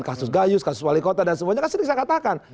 kasus gayus kasus wali kota dan semuanya kan sering saya katakan